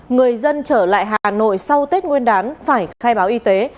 người dân trở lại hà nội sau tết nguyên đán phải khai báo y tế